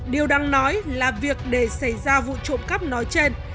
điều đáng nói là việc để xảy ra vụ trộm cắp nói trên